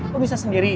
lo bisa sendiri